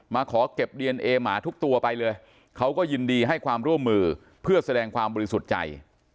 ขอเก็บดีเอนเอหมาทุกตัวไปเลยเขาก็ยินดีให้ความร่วมมือเพื่อแสดงความบริสุทธิ์ใจ